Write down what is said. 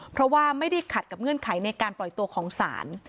เพราะว่าไม่ได้ขัดกับเงื่อนไขในการปล่อยตัวของศาล